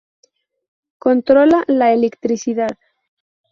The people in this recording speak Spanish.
Controla la electricidad.